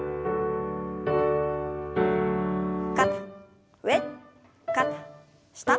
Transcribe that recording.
肩上肩下。